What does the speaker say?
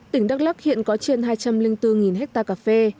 tỉnh đắk lắc hiện có trên hai trăm linh bốn hectare cà phê